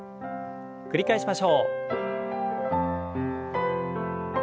繰り返しましょう。